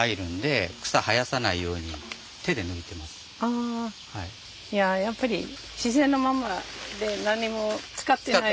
ああやっぱり自然のまんまで何にも使ってないの？